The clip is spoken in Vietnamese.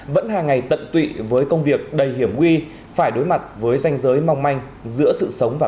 vẫn hàng ngày tận tụy với công việc đầy hiểm nguy phải đối mặt với danh giới mong manh giữa sự sống và